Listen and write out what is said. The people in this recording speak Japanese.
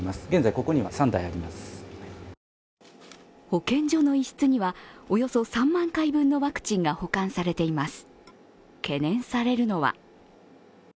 保健所の一室にはおよそ３万回分のワクチンが保管されています。